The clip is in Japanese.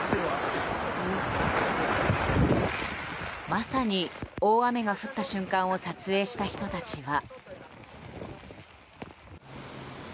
まさに大雨が降った瞬間を撮影した人たちは。